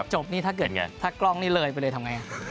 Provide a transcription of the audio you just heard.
จบนี่ถ้าเกิดไงถ้ากล้องนี่เลยไปเลยทำไง